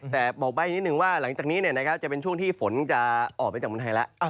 แต่บอกใบ้นิดนึงว่าหลังจากนี้จะเป็นช่วงที่ฝนจะออกไปจากเมืองไทยแล้ว